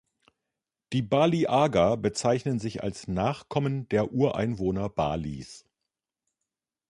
Die Bali Aga bezeichnen sich als Nachkommen der Ureinwohner Balis.